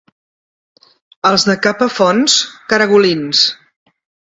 Els de Capafonts, caragolins.